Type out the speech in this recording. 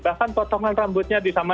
bahkan potongan rambutnya disamain